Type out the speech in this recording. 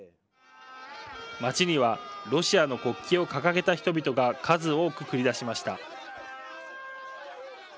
街にはロシアの国旗を掲げた人々が数多く繰り出しました。